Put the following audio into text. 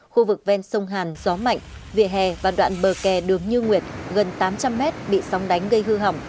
khu vực ven sông hàn gió mạnh vỉa hè và đoạn bờ kè đường như nguyệt gần tám trăm linh mét bị sóng đánh gây hư hỏng